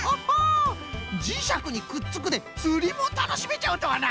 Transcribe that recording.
「じしゃくにくっつく」でつりもたのしめちゃうとはな！